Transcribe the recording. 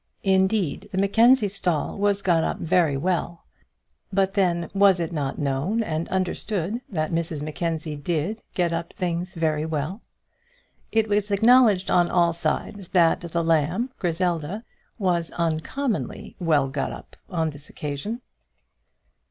Indeed, the Mackenzie stall was got up very well; but then was it not known and understood that Mrs Mackenzie did get up things very well? It was acknowledged on all sides that the Lamb, Griselda, was uncommonly well got up on this occasion.